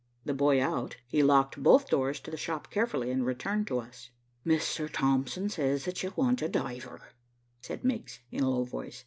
The boy out, he locked both doors to the shop carefully, and returned to us. "Mr. Thompson says that you want a diver," said Miggs, in a low voice.